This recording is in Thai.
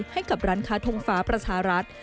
ให้กับร้านค้าทงฟ้าประชารัฐ